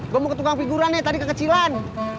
gue mau ke tukang figurannya tadi kekecilan